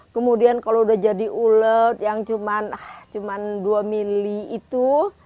kemudian kalau udah jadi ulet yang cuma dua mili itu